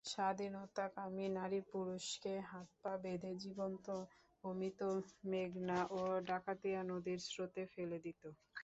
স্বাধীনতাকামী নারী পুরুষকে হাত-পা বেঁধে জীবন্ত ও মৃত মেঘনা ও ডাকাতিয়া নদীর স্রোতে ফেলে দিতো।